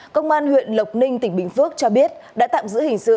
công an huyện lộc ninh tỉnh bình phước cho biết đã tạm giữ hình sự